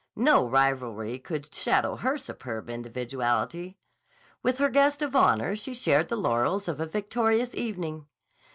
No rivalry could shadow her superb individuality. With her guest of honor she shared the laurels of a victorious evening.